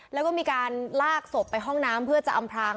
แล้วก็มีการลากศพไปห้องน้ำเพื่อจะอำพลาง